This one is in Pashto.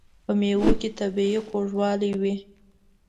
په مېوو کې طبیعي خوږوالی وي.